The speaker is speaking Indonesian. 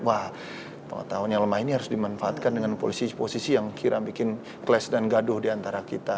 wah pengetahuan yang lemah ini harus dimanfaatkan dengan posisi posisi yang kira bikin clash dan gaduh diantara kita